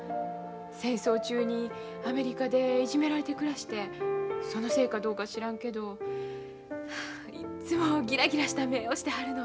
戦争中にアメリカでいじめられて暮らしてそのせいかどうか知らんけどいっつもギラギラした目をしてはるの。